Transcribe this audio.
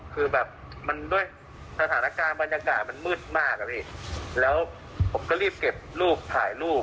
คือแบบมันด้วยสถานการณ์บรรยากาศมันมืดมากส่วนเดียวเราก็รีบเก็บลูกถ่ายลูก